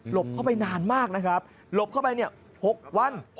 บเข้าไปนานมากนะครับหลบเข้าไป๖วัน